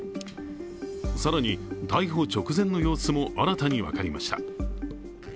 更に、逮捕直前の様子も新たに分かりました。